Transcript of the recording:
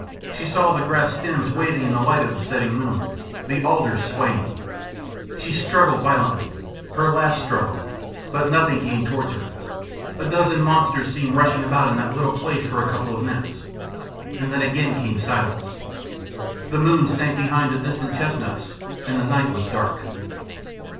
She saw the grass stems waving in the light of the setting moon, the alders swaying. She struggled violently her last struggle. But nothing came towards her. A dozen monsters seemed rushing about in that little place for a couple of minutes, and then again came silence. The moon sank behind the distant chestnuts and the night was dark.